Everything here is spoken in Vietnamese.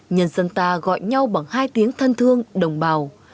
nhân dân ta gọi nhau bằng hai tiếng thân thương đồng bào